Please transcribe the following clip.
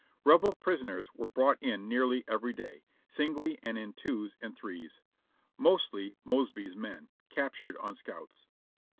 Rebel prisoners were brought in nearly every day, singly and in twos and threes; mostly Mosby's men, captured on scouts.